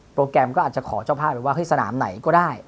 แกรมก็อาจจะขอเจ้าภาพไปว่าเฮ้ยสนามไหนก็ได้